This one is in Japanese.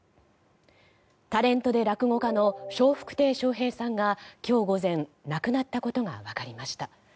タレントで落語家の笑福亭笑瓶さんが今日午前亡くなったことが分かりました。